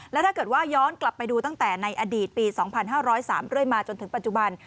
และถ้าเกิดว่าย้อนกลับไปดูตั้งแต่ในอดีตปี๒๕๐๓เรื่อยมาจนถึงปัจจุบัน